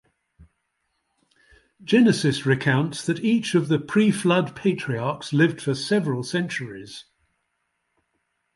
Genesis recounts that each of the pre-Flood Patriarchs lived for several centuries.